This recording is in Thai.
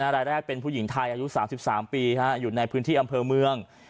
รายแรกเป็นผู้หญิงไทยอายุ๓๓ปีอยู่ในพื้นที่อำเภอเมือง